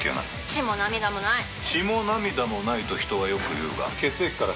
「『血も涙もない』と人はよく言うが」